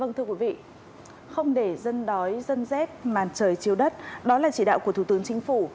vâng thưa quý vị không để dân đói dân rét màn trời chiếu đất đó là chỉ đạo của thủ tướng chính phủ